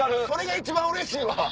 それは一番うれしいわ！